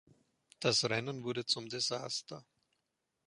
Das Rennen wurde zum Desaster.